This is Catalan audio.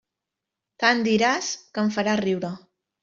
Tant diràs, que em faràs riure.